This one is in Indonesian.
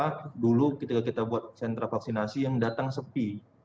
karena dulu ketika kita buat sentra vaksinasi yang datang sepi